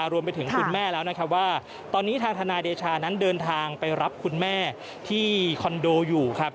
รวมไปถึงคุณแม่แล้วนะครับว่าตอนนี้ทางทนายเดชานั้นเดินทางไปรับคุณแม่ที่คอนโดอยู่ครับ